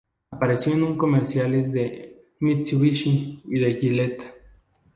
Apareció en un comerciales de "Mitsubishi" y en "Gillette".